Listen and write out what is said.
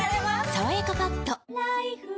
「さわやかパッド」